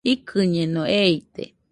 Ikɨñeno, eite